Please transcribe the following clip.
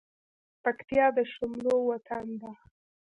پکتيا د شملو وطن ده